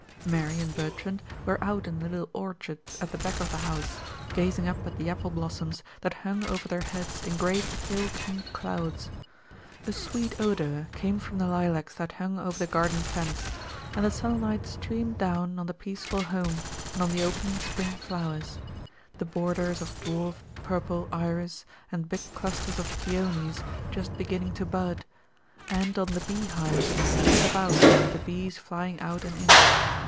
Mary and Bertrand were out in the little orchard at the back of the house, gazing up at the apple blossoms that hung over their heads in great pale pink clouds. A sweet odor came from the lilacs that hung over the garden fence, and the sunlight streamed down on the peaceful home, and on the opening spring flowers the borders of dwarf purple iris and big clusters of peonies, just beginning to bud, and on the beehives scattered about with the bees flying out and in.